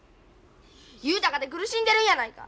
雄太かて苦しんでるんやないか。